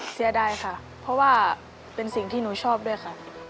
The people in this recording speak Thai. เสียดายค่ะเพราะว่าเป็นสิ่งที่หนูชอบด้วยค่ะ